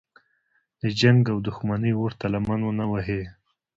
د جنګ او دښمنۍ اور ته لمن ونه وهي.